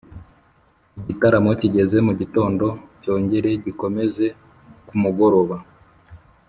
Igitaramo kigeze mu gitondo cyongere gikomeze ku mugoroba